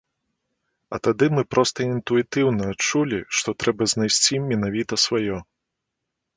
А тады мы проста інтуітыўна адчулі, што трэба знайсці менавіта сваё.